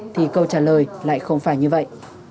thì câu trả lời lại không phải như vậy